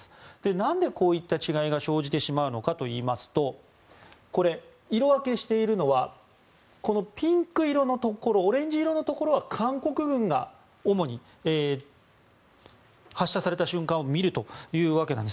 なんでこういった違いが生じてしまうのかといいますと色分けしているのはオレンジ色のところは韓国軍が主に発射された瞬間を見るというわけなんです。